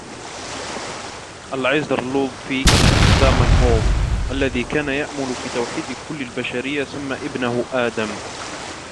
العزر لودفيك زامنهوف, الذي كان يأمل في توحيد كل البشرية, سمى ابنه آدم.